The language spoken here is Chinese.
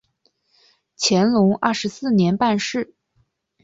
乾隆二十四年办事。